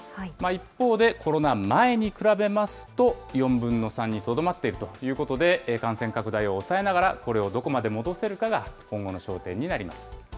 一方で、コロナ前に比べますと、４分の３にとどまっているということで、感染拡大を抑えながら、これをどこまで戻せるかが今後の焦点になります。